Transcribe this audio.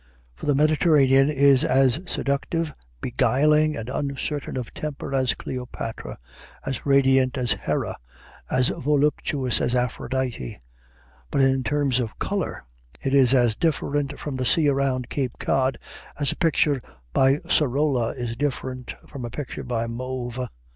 For the Mediterranean is as seductive, beguiling, and uncertain of temper as Cleopatra, as radiant as Hera, as voluptuous as Aphrodite. Put in terms of color, it is as different from the sea round Cape Cod as a picture by Sorolla is different from a picture by Mauve.